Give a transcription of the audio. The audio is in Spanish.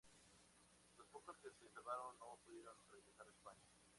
Los pocos que se salvaron no pudieron regresar a España.